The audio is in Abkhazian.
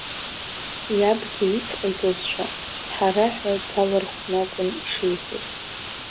Иабгьы ицҟаиҵозшәа, ҳара ҳәа далархәны акәын ишиҳәоз.